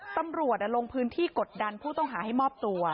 ตำรวจลงพื้นที่กดดันผู้ต้องหาให้มอบตัว